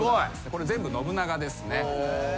これ全部信長ですね。